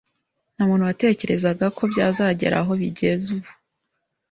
Nta muntu watekerezaga ko byazagera aho bigeze ubu